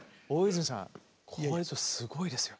声質すごいですよ。